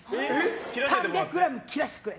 ３００ｇ切らしてくれ！